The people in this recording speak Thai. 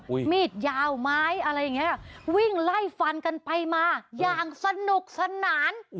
มีดยาวไม้อะไรอย่างเงี้ยวิ่งไล่ฟันกันไปมาอย่างสนุกสนาน